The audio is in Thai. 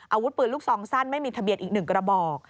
อาวุธปืนลูกซองสั้นไม่มีทะเบียนอีก๑กระบอก